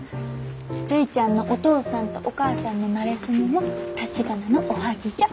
るいちゃんのお父さんとお母さんのなれそめもたちばなのおはぎじゃ。